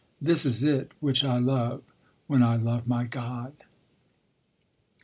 This is it which I love when I love my God.'